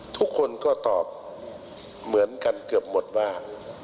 ทุกคนก็ตอบเหมือนกันเกือบหมดว่า